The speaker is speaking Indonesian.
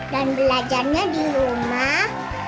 dan belajarnya di rumah